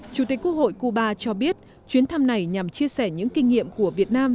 chủ tịch quốc hội cuba cho biết chuyến thăm này nhằm chia sẻ những kinh nghiệm của việt nam